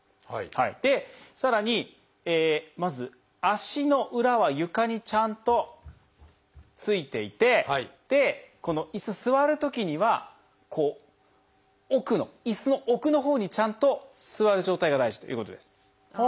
でさらにまず足の裏は床にちゃんとついていてこの椅子座るときには奥の椅子の奥のほうにちゃんと座る状態が大事ということです。